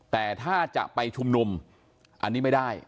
แต่ถ้าจะไปชุมนุมอันนี้ไม่ได้